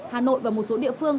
hà nội và một số địa phương